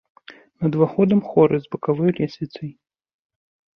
Над уваходам хоры з бакавой лесвіцай.